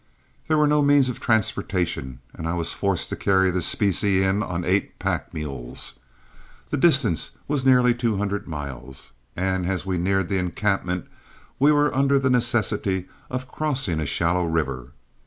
There were no means of transportation, and I was forced to carry the specie in on eight pack mules. The distance was nearly two hundred miles, and as we neared the encampment we were under the necessity of crossing a shallow river.